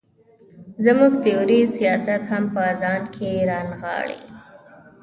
زموږ تیوري سیاست هم په ځان کې را نغاړي.